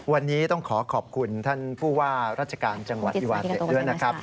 วันนี้ต้องขอขอบคุณท่านผู้ว่าราชการจังหวัดอีวาเต็ดด้วยนะครับ